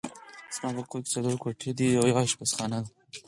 زما په کور کې څلور کوټې دي يو پخلنځی دی